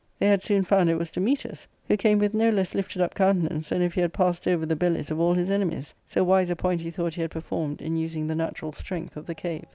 They had soon found it was Dametas, who came with no less lifted up countenance than if he had passed over the bellies of all his enemies ; so wise a point he thought he had performed in using the natural strength of the cave.